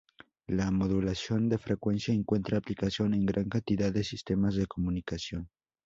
La modulación de frecuencia encuentra aplicación en gran cantidad de sistemas de comunicación.